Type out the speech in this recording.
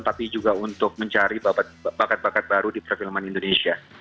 tapi juga untuk mencari bakat bakat baru di perfilman indonesia